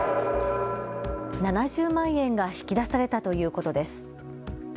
７０万円が引き出されたということです。